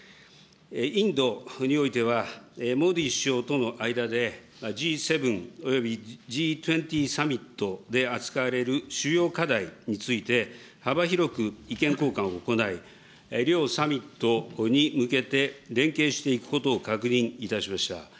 インドにおいては、モディ首相との間で、Ｇ７およびＧ２０サミットで扱われる主要課題について、幅広く意見交換を行い、両サミットに向けて連携していくことを確認いたしました。